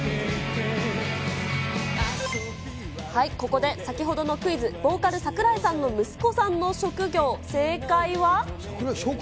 ここで、先ほどのクイズ、ボーカル、櫻井さんの息子さんの職業、正解は。